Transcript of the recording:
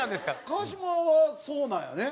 川島はそうなんやね？